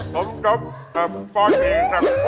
ผมจำเป็นปอนด์หไปก่อน